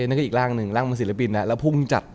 นั่นก็อีกร่างหนึ่งร่างมันศิลปินนะแล้วพุ่งจัด